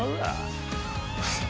フッ。